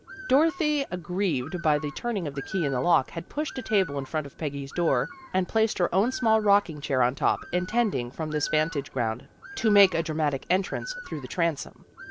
Dorothy, aggrieved by the turning of the key in the lock, had pushed a table in front of Peggy's door, and placed her own small rocking chair on top, intending from this vantage ground to make a dramatic entrance through the transom.